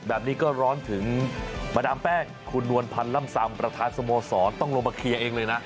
แบบนี้ก็ร้อนถึงมาดามแป้งคุณนวลพันธ์ล่ำซำประธานสโมสรต้องลงมาเคลียร์เองเลยนะ